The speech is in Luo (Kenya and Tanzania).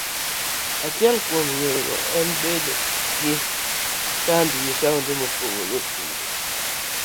Achiel kuom yorego en bedo gi kembe e taonde mopogore opogore.